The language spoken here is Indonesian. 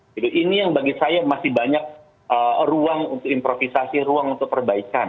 jadi ini yang bagi saya masih banyak ruang untuk improvisasi ruang untuk perbaikan